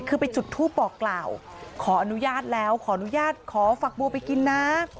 คือไปจุดทูปบอกกล่าวขออนุญาตแล้วขออนุญาตขอฝักบัวไปกินนะ